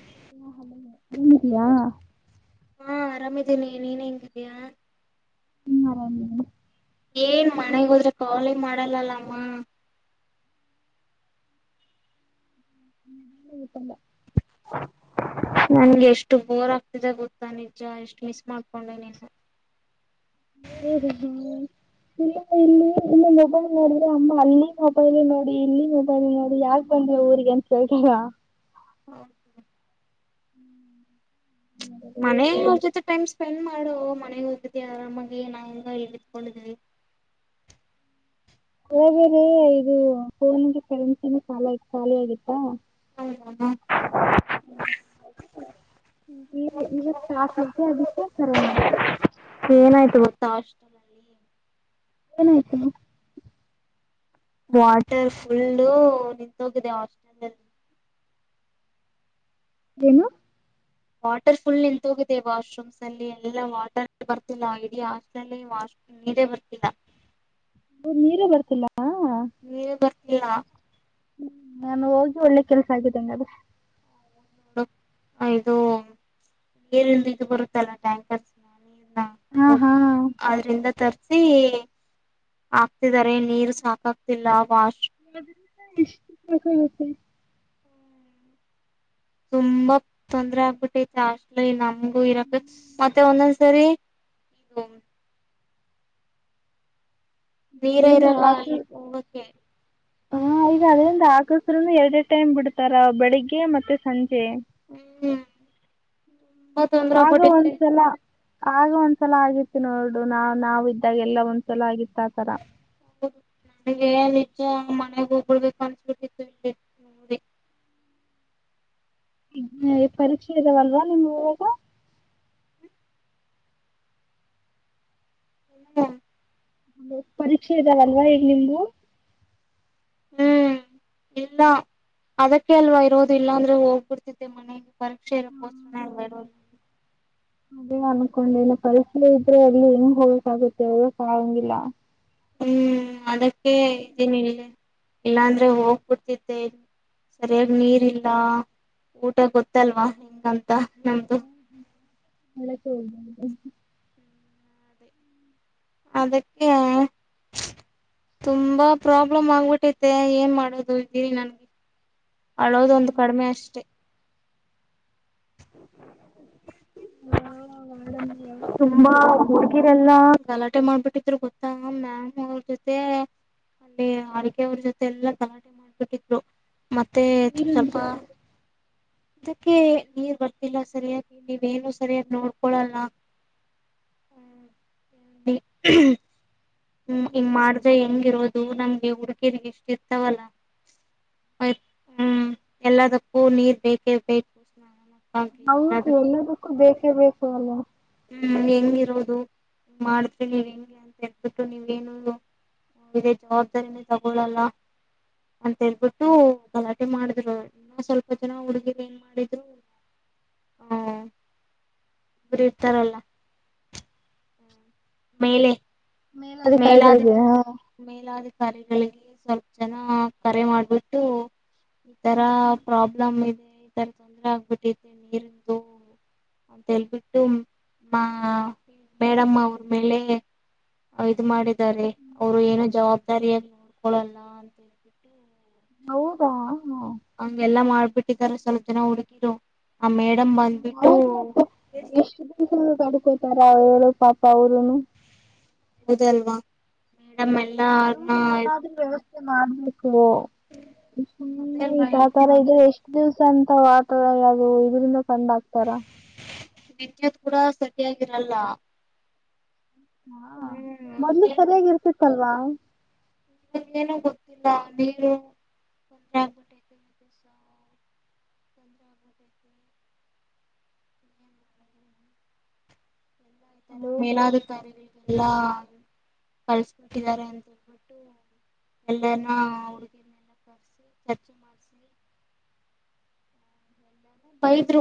[inaudible] ಹಾ ಆರಾಮ್ ಇದ್ದೀನಿ ನೀನ್ ಹೆಂಗಿದ್ಯಾ [inaudible] ಏನ್ ಮನೆಗೆ ಹೋದ್ರೆ ಕಾಲೇ ಮಾಡಲ್ಲಮ್ಮ [unintelligible] ನಂಗೆಷ್ಟು ಬೋರ್ ಆಗ್ತಿದೆ ಗೊತ್ತಾ ನಿಜ ಎಷ್ಟು ಮಿಸ್ ಮಾಡಿಕೊಂಡೆ ನಿನ್ನ [unintelligible] ಮೊಬೈಲ್ ನೋಡುದ್ರೆ ಅಮ್ಮ ಅಲ್ಲಿ ಮೊಬೈಲ್ ನೋಡಿ ಇಲ್ಲಿ ಮೊಬೈಲ್ ನೋಡಿ ಯಾಕ್ ಬಂದೆ ಊರಿಗೆ ಅಂತ ಕೇಳ್ತಾರೆ [inaudible] ಮನೆಯವರ ಜೊತೆ ಟೈಮ್ ಸ್ಪೆಂಡ್ ಮಾ [unintelligible] [inaudible] ಏನಾಯ್ತು [inaudible] [unintelligible] [inaudible] [inaudible] ಏನು ವಾಟರ್ ಫುಲ್ ನಿಂತು ಹೋಗಿದೆ ವಾಶ್ರೂಮ್ ಸಲ್ಲಿ ಅಲ್ಲೆಲ್ಲಾ ಒಟ್ಟರೆ ಬರ್ತಿಲ್ಲ ಈ ಹಾಸ್ಟೆಲ್ ಅಲ್ಲಿ ವಾಶ್ರೂಮ್ ನೇರ ಬರ್ತಿಲ್ಲ ಬರ್ತಿಲ್ಲ ನೀನೇ ಬಾ ಇಲ್ಲ ನಾನ್ ಹೋಗಿ ಒಳ್ಳೆ ಕೆಲ್ಸ ಆಯಿತು ಬಿಡು ಹಾಗಿದ್ರೆ ಟ್ಯಾಂಕ್ ಹಾ ಹಾ ಅಧೃಂಧ ತೀರ್ಥ ಹಕ್ತಿಧರೆ ನೀರು ಸಾಕಾಗ್ತಿಲ್ಲ ಅಕ್ಕ [unintelligible] ತುಂಬಾ ತೊಂದರೆ ಅಗ್ಬಿತಿಧೆ ಮತ್ತೆ ಒಂದ್ ಒಂದ್ ಸತ್ ಲಿ ನೀರೆ ಅದರಿಂದ ಇರಲ್ಲ ಎಂಟು ಒಂಬಂತ್ ಗೆ ಹೂ ಯಾರ್ಡ್ ಯಾರ್ಡ್ ಟೈಮ್ ಬಿಡ್ತಾರೆ ಬೆಳಗ್ಗೆ ಮತ್ತೆ ಸಂಜೆ ಹಮ್ ನಾವು ಒಡ್ಡಿಸಿಲ್ಲ ಆದ್ರೂ ಒಂದ್ ಸಾಲ ಆಗಿತ್ತು ನೋಡು ನಾ ನಾವ್ ಇದಾಗ ಯಲ್ಲೂ ಒಂದ್ ಸತಿ ಆಗಿತ್ತು ಆ ಥರ ಏನೋ ಮನೆಗ್ ಒಟೋಗ್ಬೇಕ್ ಅನ್ಸ್ಬಿಟಿಧೆ ಇಲ್ಲಿ ಹಮ್ ಪರೀಕ್ಷೆ ಇದಾವೆ ಅಲ್ವ ಇವಾಗ ಹು ಪರೀಕ್ಷೆ ಎಧವ ಅಲ್ವ ಈಗ್ ನಿಮಗ ಹಮ್ ಇಲ್ಲ ಅದಕ್ಕೆ ಅಲ್ವ ಇರೋದು ಇಲ್ಲಿ ಇಲ್ಲ ಅಂದ್ರೆ ಹೋಗ್ಬಿಡ್ತಿದೆ ಮನಗೆ ಪರೀಕ್ಷೆ ಇರಾಕ್ ಕೊಸರಾ ನೆ ಇರೋದು ಇಲ್ಲಿ ಇನ್ನು ಅನ್ಕೊಂಡಿಲ್ಲ ಪರೀಕ್ಷೆ ಇದ್ರೆ ಎಲ್ಲಿ ಹೆಂಗ್ ಹೋಗಕಾಗುತ್ತೆ ಯಲ್ಲೂ ಹೋಗಂಗ್ ಇಲ್ಲ ಹ್ಮ್ ಅದಕ್ಕೆ ಇದೀನ್ ಇಲ್ಲೇ ಇಲ್ಲಾಂದ್ರೆ ಹೋಗ್ಬಿಡ್ತಿದೆ ಸರಿಯಾಗ್ ನೀರ್ ಇಲ್ಲ, ಊಟ ಗೊತಲ್ವ ಹೆಂಗ್ ಅಂತ [unintelligible] ಮತ್ತೇ ಅದಕ್ಕೆ ತುಂಬಾ ಪ್ರಾಬ್ಲಮ್ ಆಗ್ಬಿಟೈತೆ ಏನ್ ಮಾಡೋದು ಇಲ್ಲಿ ನಂಗೆ ಅಲೋಧ್ ಒಂದ್ ಕಡಿಮೆ ಅಷ್ಟೆ [unintelligible] ಯಾವಾಗ್ [unintelligible] ಹೋಗಿರಲ್ಲ ಗಾಲ ಊಟ ಮಾಡ್ಬಿಟಿದ್ರು ಗೋತ್ತಾ ಮ್ಯಾಮು ಅವ್ರ ಜೊತೆ ಅಲ್ಲಿ ಅಡ್ಗೆ ಅವ್ರ ಜೊತೆಯೆಲ್ಲಾ ಗಲಾಟೆ ಮಾಡ್ಬಿಟಿದ್ರು ಮತ್ತೇ ಸ್ವಲ್ಪ ನೀರಂದ್ರೆ ಅದಕ್ಕೆ ನೀರ್ ಬರ್ತಿಲ್ಲ ಸರಿಯಾಗಿ ನೀವ್ ಏನು ಸರಿಯಾಗಿ ನೋಡಿಕೊಳ್ಳ ಹಮ್ ಹಮ್ ಹೀಗ್ ಮಾಡ್ರಿ ಹೆಂಗೆ ಅದು ನಮಗೇ ಊರಿಕೆರೆ ಗೆ ಎಷ್ಟು ಇರ್ತವೆ ಅಲ್ವ ಹುಂ ಎಲ್ಲಾದಕ್ಕೂ ನೀರು ಬೇಕೆ ಬೇಕು ಹೌದು ಎಲ್ಲದಕ್ಕೂ ಯಲಾದಕ್ಕೂ ಬೇಕೆ ಬೈಕು ಅಲ್ವ ಹಮ್ ಹೆಂಗ್ ಇರೋದು ಮಾಡ್ತೀನಿ ಇರಿ ಹೆಂಗೆ ಅಂತ್ ಹೇಳ್ಬೀಟ್ ನೀವ್ ಏನು ಜವಾಬ್ದಾರಿ ನೆ ತೊಗೊಲಲ್ಲ ಅಂತ ಹೇಳ್ಬಿಟ್ಟು ಗಲಾಟೆ ಮಾಡ್ರು ಸ್ವಲ್ಪ ಜನ ಹುಡ್ಗೀರು ಏನ್ ಮಾಡಿದ್ರು ಹಾ [inaudible] ಮೇಲೆ ಮೇಲಾಧಿಕಾರಿಗಳು ಮೇಲಾಧಿಕಾರಿ ಸ್ವಲ್ಪ ಜನ ಕರೆ ಆಗಿ ಬಿಟ್ಟು ಈ ತರಾ ಪ್ರಾ ಈ ತರಾ ತೊಂದರೆ ಆಗಿದೆ ನೀರಿಂದು ಅಂತ್ಹೇಳಿ ಮೇಲಧಿಕಾರಿಗಳಿಗೆ ಮೇಡಮ್ ಮೇಲೆ ಇದು ಮಾಡಿದಾರೆ ರಿ ಅವರೇನು ಜವಾಬ್ದಾರಿ ನೋಡಿಕೊಳ್ಳಲ್ ಅಂತ ಹೇಳಿಬಿಟ್ಟು ಹೌದಾ ಆಂಗೆಲ್ ಮಾಡಿಬಿಟ್ಟಿದ್ದಾರೆ ಸ್ವಲ್ಪ ಜನ ಹುಡುಗೀರು ಇಷ್ಟ ದಿನದ ತೊಂದರೆ ಇದು ಪಾಪ ಅವರುನು ಹೌದು ಅಲ್ವಾ ನಮ್ಮೆಲ್ ಇವ್ರನ್ ಏನಾದ್ರೂ [unintelligible] ಈ ಪುಲ್ಲು ಅದೇಲ್ವಾ ಹೇಳ್ತೀರ ಟೆಂಟ್ ಅದು ಆಗುತ್ತ ಅವ್ವ ಅದು ಇದರ ಮ್ಯಾಲ ತಂದು ಅಚ್ಚತ್ತರ ಪುರಾ ಸಾಟಿ ಆಗಿರಲ್ಲ [unintelligible] ಅಲ್ವಾ ನನಗೆ ಏನು ಗೊತ್ತಿಲ್ಲ ತೊಂದ್ರೆ ಆಗ್ಬಿಟ್ಟೈತೆ ಏನ್ ಮಾಡೋದು ಎಲ್ಲಾ ಈ ತರಾ ಹಲೋ ಮೇಲಧಿಕಾರಿಗಳಿಗೆ ಎಲ್ಲಾ ಬಳಸಗೊಡ್ಡಿದ್ದಾರೆ ಎಂದು ಬಿಟ್ಟು ಬೈದರು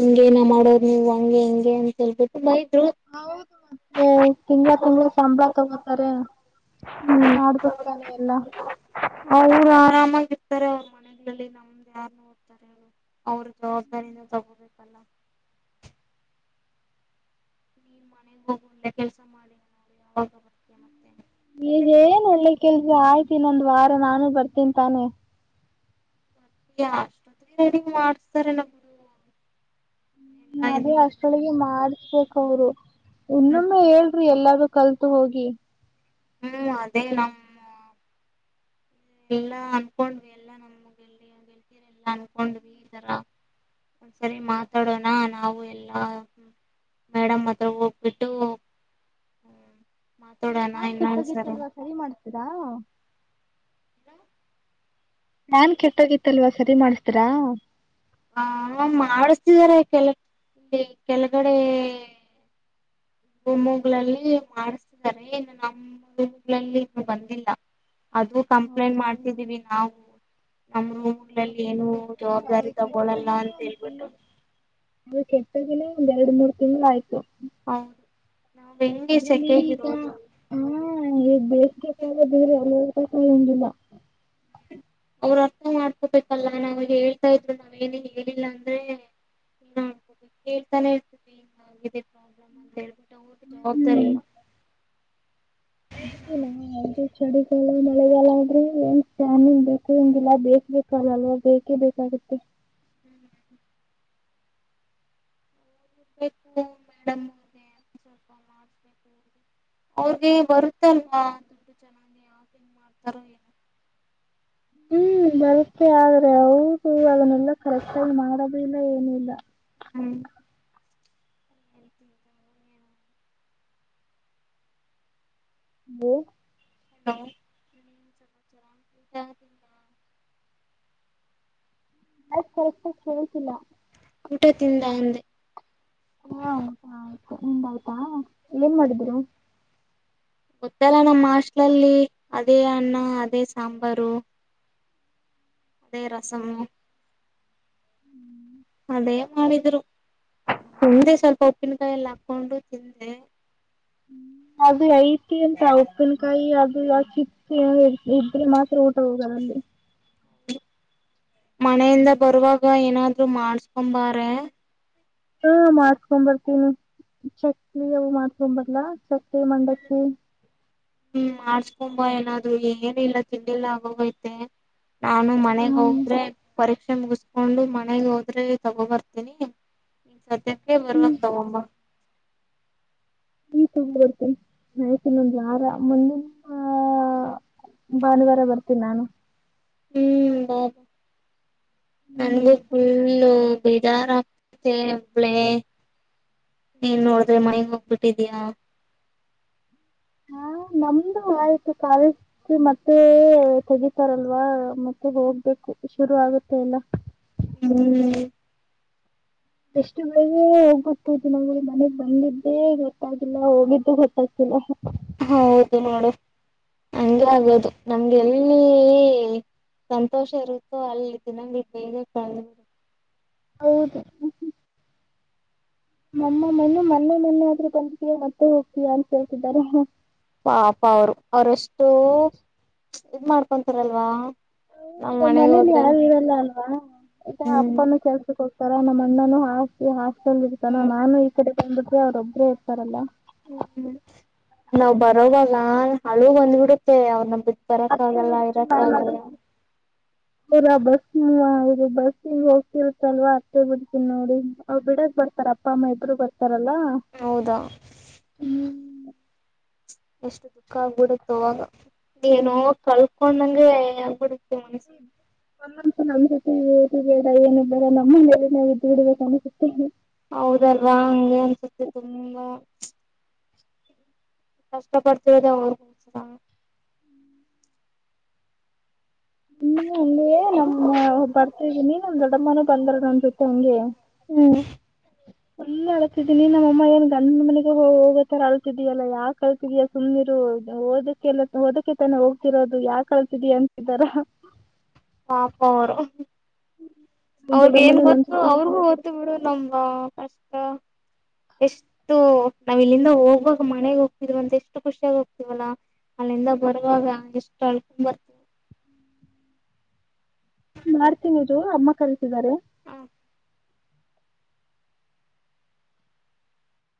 ಇಂಗಾ ಮಾಡೋದು ಅಂತ ಹೇಳಿ ಹೌದು ಮತ್ತೆ ತಿಂಗಳ ತಿಂಗಳ ಸಂಬಳ ತಗೋತಾರೆ ಮಾಡಬೇಕು ಅಲ್ಲ ಎಲ್ಲಾ ಹೌದಾ ಸರಿ ಮನ್ಯಾಗ ಹೇಳ್ತೀನಿ ಅವ್ವ ಅವರೇ ಜವಾಬ್ದಾರಿ ತಗೋಬೇಕು ಅಲ್ಲ ನೀ ಮನೆಗೆ ಹೋಗು ನಾ ಯಾವಾಗ ಬರತೇನ ಹೇ ಏನಲೆ ಕೆಲಸ ಆಯ್ತು ಇನ್ನೊಂದು ವಾರ ನಾನು ಬರ್ತೀನಿ ತಾನೇ ಅಷ್ಟೊತ್ತಿಗೆ ರಡಿ ಮಾಡ್ತಾರೆ ಇದು ಅಷ್ಟರೊಳಗೆ ಮಾಡಬೇಕು ಅವರು ಹು ಕಾಲತ್ ಬಾ ಹೋಗಿ ಹು ಅದೇ ನಮ್ಮ ಇಲ್ಲಾ ಅನ್ಕೊಂಡಿವಿ ನಂಗೆಲ್ ಒಂದ ಸರಿ ಮಾತಾಡೋಣ ನಾವು ಎಲ್ಲಾ ಮೇಡಂ ಅತ್ರ ಹೋಗಿ ಬಿಟ್ಟು ಹು ನೋಡೋಣ ಇನ್ನೊಂದು ಸಲ ಹೌದಾ ಕೆಟ್ಟೋಗಿತ್ತಲ್ವಾ ಸರಿ ಮಾಡಿಸ್ತೀರಾ ಹ ಮಾಡಿಸ್ತಿದಾರೆ ಕೆಲ ಇಲ್ಲಿ ಕೆಳಗಡೆ ರೂಮುಗಳಲ್ಲಿ ಮಾಡಿಸ್ತಿದ್ದಾರೆ ಇನ್ನು ನಮ್ ರೂಮುಗಳಲ್ಲಿ ಇನ್ನು ಬಂದಿಲ್ಲ ಅದು ಕಂಪ್ಲೇಂಟ್ ಹೌದಾ ಮಾಡ್ತಿದೀವಿ ನಾವು ನಮ್ ರೂಮುಗಳಲ್ಲಿ ಅದು ಏನು ಕೆಟ್ಟ ಅದು ಜವಾಬ್ದಾರಿ ತಗೊಳಲ್ಲ ಕೆಟ್ಟೋಗಿನೇ ಅಂತ ಒಂದ್ ಹೇಳ್ಬಿಟ್ಟು ತಿಂಗಳು ಅದು ಕೆಟ್ಟೋಗಿನೇ ಒಂದ್ ಎರಡ್ ಮೂರ್ ತಿಂಗಳು ಆಯ್ತು ಹಾ ಯೆಂಗೆ ಸಾಕಿಗೇರೋಡು ಯಾಂಗೆ ಎರ್ಬೇಕು ಅವ್ರ ಅರ್ಥ ಮಾಡ್ಕೋಬೇಕಲ್ಲ ನಾವು ಹೇಳ್ತಾ ಇದ್ರು ನಾವೇನು ಹೇಳಿಲ್ಲ ಅಂದ್ರೆ ಏನ ಮಾಡ್ಕೋಬೇಕು ಹೇಳ್ತಾನೆ ಇರ್ತೀವಿ ಹಿಂಗಾಗಿದೆ ಪ್ರಾಬ್ಲಮ್ ಅಂತ ಹೇಳ್ಬಿಟ್ಟು ಅವ್ರಿಗೆ ಜವಾಬ್ದಾರಿ ಹ್ಮ್ ಇಲ್ಲ. ಯಾವ್ದು ಚಳಿಗಾಲ ಮಳೆಗಾಲ ಅಂದ್ರೆ ಏನ್ ಫ್ಯಾನಿನ್ ಬೇಕು ಹಂಗಿಲ್ಲ ಬೇಸಿಗೆ ಕಾಲ ಅಲ್ವಾ ಬೇಕೇ ಬೇಕಾಗುತ್ತೆ ಅವ್ರ್ಗೆ ಬರುತೆ ಅಲ್ಲ್ವಾ [inaudible] ಹು ಬರುಥೆ [inaudible] ಇನ್ನ ಯೇನು ಇಲ್ಲ ಹು ಬೋಲ್ ಹಾ ಯಾ ಹಾ ಸರಿ ಕಲ್ಸೀಯಲ್ಲಾ ಉಟಾ ತಿಂಧ ಅಂದೇ. ಹಾ ಹು ಯೆನ್ ಮಾಡಿದ್ರೂ ಗೊತ್ತು ಅಲ್ವಾ ನಮ್ ಹಾಸ್ಟೆಲ್ ಗೆ ಹೋಗಿ ಅದೇ ಅಣ್ಣ ಅದೇ ಸಾರು ಅಣ್ಣ ರಸಂ ಅದೇ ಮಾಡಿದ್ರೂ ತಿಂದೆ ಸೊಲ್ಪ ಉಪಿಂಕೇ ಆಕೊಂಡು ಅದು [inaudible] ಗಿಂತ ಉಪಿಂಕೇ ಉಟ ಒಗಲ್ಲಾ ನಂಗೆ ಮನೆ ಇಂದ ಬರೋವಾಗ ಏನ್ ಅದ್ರೂ ಮಾಡ್ಸ್ಕೊಂಡು ಬಾರೆ ಹಾ ಮಾಡ್ಸ್ಕೊಂಡು ಬರ್ತೀನೆ ಚಟ್ನಿಗುಳ್ಮಾಡುಸಕಂಡ್ ಬರ್ಲಾ ಉ ಮಂಡಕ್ಕಿ ತುಂಬಾ ಏನಾದ್ರು [unintelligible] ನಾನು ಮನೆಗೆ ಹ್ಮ್ ಹೋದ್ರೆ ಪರಿ ಮುಗುಸ್ಕೊಂಡು ಮನೆಗೆ ಹೋದ್ರೆ ತಗೋಬರ್ತೀನಿ ಅದನ್ನೇ ಬರುವಾಗ ಹ್ಮ್ ಬಗೊಂಡ್ ಬಾ [unintelligible] ನಾನು ಭಾನುವಾರ ಬರುತ್ತೇನೆ. ಸರಿ ಬನ್ನಿ ನನಗೂ ಫುಲ್ಲು ಉ ಬೇಜಾರಾಗ್ತಿದೆ ಒಬ್ಳೆ ನೀನೋಡದ್ರೆ ಮನೆಗೊಗ್ಬಿಟ್ಟಿದೀಯಾ ಹಾ ನಮ್ದು ಆಯ್ತು ಕಾಲೇಜ್ [inaudible] ಮತ್ತೇ ತೆಗೆತಾರಲ್ವಾ ಮತ್ತೆ ಹೋಗ್ಬೇಕು ಶುರುವಾಗುತ್ತೆ ಅಲಾ. ಹ್ಮ್ ಎಷ್ಟು ಬೇಗ್ನೆ ಹೋಗ್ಬಿ [inaudible] ಮನೆಗ್ ಬಂದಿದೇ ಗೊತ್ತಾಗಿಲ್ಲಾ ಹೋಗಿದ್ದು ಗೊತ್ತಾಗ್ತಿಲ್ಲಾ. ಹಾ ಹೌದು ನೋಡು ಹಂಗೆ ಆಗೋದು ನಂಗೆಲ್ಲಿ ಈ... ಸಂತೋಷ ಇರುತ್ತೋ ಅಲ್ಲಿ [unintelligible] ಹೌದೂ ಹ್ಮ್ ಹ್ಮ್ ನಮ್ [unintelligible] ಮೊನ್ನೆ ಮೊನ್ನೆ ಆದ್ರೂ ಬಂದಿದಿಯಾ ಮತ್ತೆ ಹೋಗ್ತೀಯಾ ಅಂತಾ ಕೇಳ್ತಿದಾರೆ ಹ್ಮ್ ಹ್ಮ್ ಪಾಪಾ ಅವ್ರು ಅವ್ರಷ್ಟು ಚ್ ಇದು ಮಾಡ್ಕೊಂತಾವ್ರೆ ಅಲ್ವಾ. ಹಂಗ್ ಮನೇಲಿ ಯಾರು ಇರಲ್ಲಾ ಅಲ್ವಾ. ಹಾಹ ಅದೇ ಹ್ಮ್ ಅಪ್ಪಾನು ಕೆಲಸಕ್ ಹೋಗ್ ಕರೆ ನಮ್ ಅಣ್ಣಾನು ಹಾಕಿ ಹಾಕಿ [unintelligible] ನಾನು ಈಕಡೆ ಬಂದಬಿಟ್ರೆ ಅವ್ರೊಬ್ರೆ ಇರ್ತಾರಲಾ ಹ್ಮ್ ಹ್ಮ್ ನಾವ್ ಬರೋವಾಗಾ ಅಳು ಬಂದಬಿಡುತ್ತೆ ಅವರನ್ ಬಿಟ್ ಅತ್ತೆ ಬರಕ್ಕಾಗಲ್ಲಾ ಬಿಡ್ತೀನಿ ನಾನಾದ್ರೂ ಇರಕ್ಕಾಗಲ್ಲಾ [inaudible] ಬಸ್ ಮೂವ್ ಆಗಿ [unintelligible] ಬಸ್ ಹಿಂಗ ಹೋಗ್ತಿರುತ್ತಲ್ವಾ ಅತ್ತೇ ಬಿಡ್ತೀನೋಡಿ ಅವ್ರ ಬಿಡಾಕ್ ಬರ್ತಾರ ಅಪ್ಪಾ ಅಮ್ಮಾ ಇಬ್ರು ಅಲಾ ಹೌದಾ ಹ್ಮ್ ಬ ಎಷ್ಟು ದುಃಖಾ ಆಗ್ಬಿಡುತ್ತ ಆವಾಗಾ ಏನೋ ಕಳಕೊಂಡಂಗೆ ಆಗ್ಬೀಡ್ ಹ್ಮ್ ಆ ನಮ್ [unintelligible] ನಮ್ ಅಮ್ಮನ ನೆರಳಲ್ಲಿ ಇದ್ದಬಿಡ್ಬೇಕು ಅನ್ಸುತ್ತ ಹೌದಲ್ವಾ ಹಂಗೇ ಅನ್ಸುತ್ತೆ ಸುಮ್ನೆ ಕಷ್ಟ ಪಡ್ತಿರೋದೇ ಅವ್ರಗೋಸ್ಕರಾ ಹ್ಮಿಂಗೆ [unintelligible] ನಮ್ನಾ ಬರ್ತಾ ಇದೀನಿ ನಮ್ ದೊಡ್ಡಮ್ಮಾನು [inaudible] ಹೆಂಗಿತ್ತೋ ಹಂಗೇ ಫುಲ್ಲು ಅಳತಿದೀನಿ ನಮ್ ಅಮ್ಮಾ ಏನ್ ಗಂಡನ ಮನೆಗೇ ಹೋಗೋತರಾ ಅಳತಿದೀಯಾ ಅಲಾ ಯಾಕ ಅಳತಿದಿಯಾ ಸುಮ್ನಿರು ಹ್ಮ್ ಓದೋಕೆ ಅಲಾ ಓದೋಕೆ ತಾನೆ ಹೋಗ್ತಿರೋದು ಯಾಕ ಅಳತಿದಿಯಾ ಅಂತಿದಾರ ಪಾಪಾ ಅವ್ರು ಹ್ಮ್ ಹ್ಮ್ ನಮ್ಮ ಅವ್ರದೇನು ದೊಡ್ಡಮ್ಮನೂ ನನ್ನ ಗೊತ್ತು ಅವ್ರುಗು ಜೊತೆ ಗೊತ್ತುಬಿಡು ನಮ್ ವಾ [inaudible] ಎಷ್ಟೂ ನಾವ್ ಇಲ್ಲಿಂದಾ ಹೋಗುವಾಗಾ ಮನೆಗ್ ಹೋಗ್ತಿದೀವಿ ಅಂತಾ ಎಷ್ಟೂ ಖುಷಿಯಾಗಿ ಹೋಗ್ತೀವಿ ಅಲಾ ಅಲ್ಲಿಂದಾ ಬರೋವಾಗಾ ಎಷ್ಟೂ ಅಳುಕೊಂಡು ಬರ್ತೀವಿ ಮಾಡ್ತೀನಿರು ಅಮ್ಮಾ ಕರೀತಿ ತಿದಾರೆ